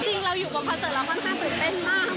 จริงเราอยู่บนพอสเตอร์แล้วค่อนข้างตื่นเต้นมาก